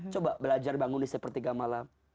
coba belajar bangun di setiap tiga malam